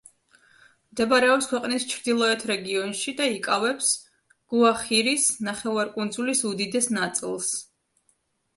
მდებარეობს ქვეყნის ჩრდილოეთ რეგიონში და იკავებს გუახირის ნახევარკუნძულის უდიდეს ნაწილს.